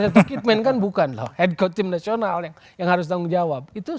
head coach kidman kan bukan loh head coach tim nasional yang harus tanggung jawab